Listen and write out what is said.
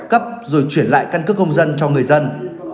cấp rồi chuyển lại căn cước công dân cho người dân